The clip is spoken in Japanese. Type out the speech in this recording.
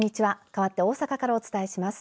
かわって大阪からお伝えします。